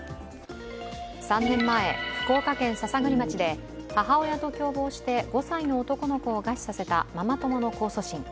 ３年前、福岡県篠栗町で母親と共謀して５歳の男の子を餓死させたママ友の控訴審。